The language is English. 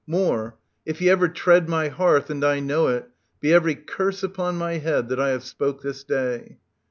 More : if he ever tread my hearth and I Know it, be every curse upon my head That I have spoke this day.